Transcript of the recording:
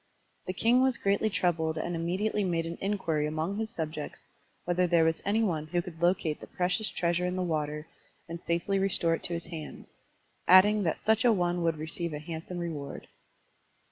The king was greatly troubled and immediately made an inquiry among his subjects whether there was any one who could locate the precious treasure in the water and safely restore it to his hands, adding that such a one would receive a hand some reward.